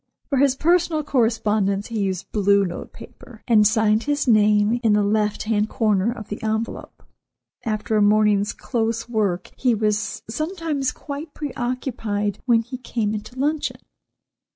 For his personal correspondence he used blue note paper, and signed his name in the left hand corner of the envelope. After a morning's close work he was sometimes quite pre occupied when he came into luncheon.